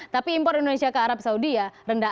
tapi impor indonesia ke arab saudi ya rendah